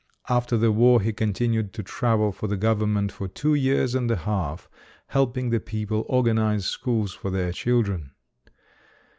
After the war he continued to travel for the Government for two years and a half, helping the people organize schools for their children.